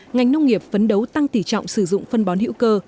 ngành nông nghiệp phấn đấu tăng tỷ trọng sử dụng phân bón hữu cơ